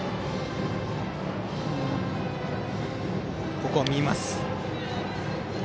ここは、見ました。